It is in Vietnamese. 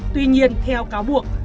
tuy nhiên theo cáo buộc